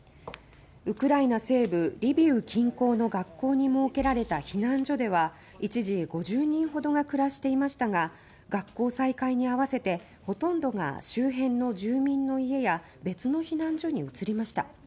ウクライナ西部リビウ近郊の学校に設けられた避難所では一時５０人ほどが暮らしていましたが学校再開に合わせてほとんどが周辺の住民の家や別の避難所に移りました。